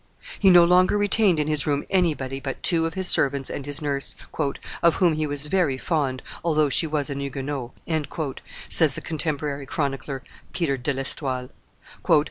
He no longer retained in his room anybody but two of his servants and his nurse, "of whom he was very fond, although she was a Huguenot," says the contemporary chronicler Peter de l'Estoile.